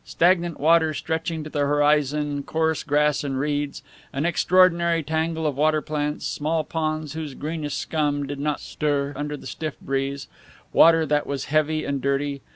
Stagnant water stretching to the horizon, coarse grass and reeds, an extraordinary tangle of water plants, small ponds whose greenish scum did not stir under the stiff breeze, water that was heavy and dirty.